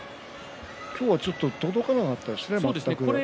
今日はちょっと届かなかったですね。